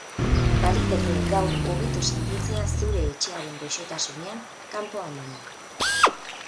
Baliteke gaur hobeto sentitzea zure etxearen goxotasunean, kanpoan baino.